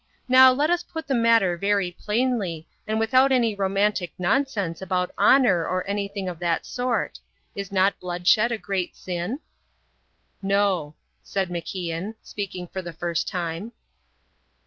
Now, let us put the matter very plainly, and without any romantic nonsense about honour or anything of that sort. Is not bloodshed a great sin?" "No," said MacIan, speaking for the first time.